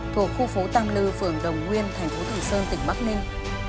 thuộc khu phố tam lư phường đồng nguyên thành phố tử sơn tỉnh bắc ninh